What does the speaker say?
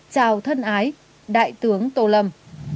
chào thân ái đại tướng tô lâm